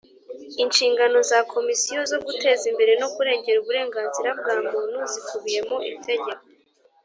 Inshingano za komisiyo zo guteza imbere no kurengera uburenganzira bwa muntu zikubiye mu itegeko